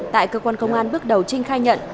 tại cơ quan công an bước đầu trinh khai nhận